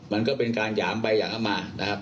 มันก็เป็นการหยามไปหยามมานะครับ